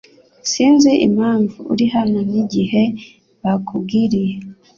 Sinzi impamvu uri hano nigihe bakubwiriye